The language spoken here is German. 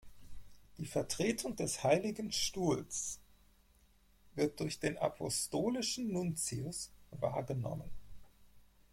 Die Vertretung des Heiligen Stuhls wird durch den Apostolischen Nuntius wahrgenommen.